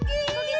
tunggu dulu dong